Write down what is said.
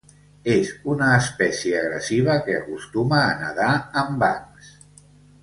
És una espècie agressiva que acostuma a nedar en bancs.